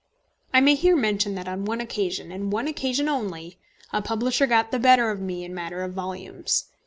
I may here mention that on one occasion, and on one occasion only, a publisher got the better of me in a matter of volumes.